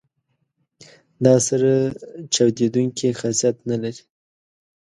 دا سره چاودیدونکي خاصیت نه لري.